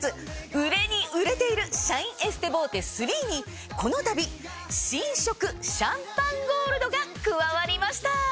売れに売れているシャインエステボーテ３にこのたび新色シャンパンゴールドが加わりました！